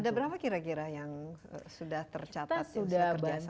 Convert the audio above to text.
ada berapa kira kira yang sudah tercatat sudah kerjasama